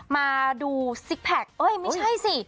มาดูซิกแพคเอ้ยไม่ใช่สิ